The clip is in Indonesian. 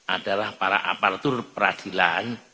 adalah para aparatur peradilan